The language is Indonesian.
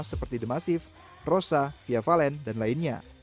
seperti the masif rosa via valen dan lainnya